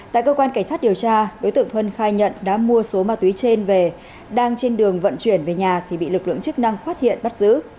tại cơ quan cảnh sát điều tra đối tượng thuân khai nhận đã mua số ma túy trên về đang trên đường vận chuyển về nhà thì bị lực lượng chức năng phát hiện bắt giữ